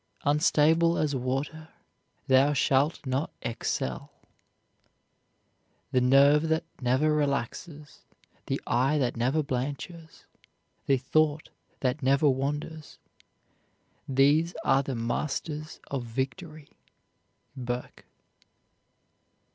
"Unstable as water, thou shalt not excel." The nerve that never relaxes, the eye that never blanches, the thought that never wanders, these are the masters of victory. BURKE.